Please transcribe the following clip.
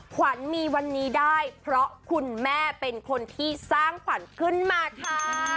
ขวัญมีวันนี้ได้เพราะคุณแม่เป็นคนที่สร้างขวัญขึ้นมาค่ะ